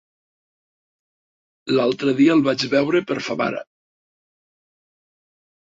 L'altre dia el vaig veure per Favara.